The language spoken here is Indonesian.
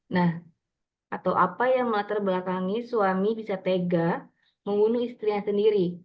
nah atau apa yang melatar belakangi suami bisa tega membunuh istrinya sendiri